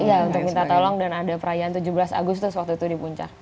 iya untuk minta tolong dan ada perayaan tujuh belas agustus waktu itu di puncak